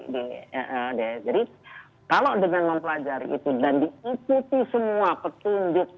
jadi kalau dengan mempelajari itu dan diikuti semua petunjuknya